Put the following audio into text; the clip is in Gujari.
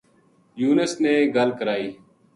یونس نے گل کرائی